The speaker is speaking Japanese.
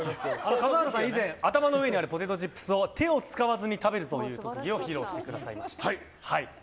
笠原さん、以前頭の上にあるポテトチップスを手を使わずに食べるという特技を披露してくださいました。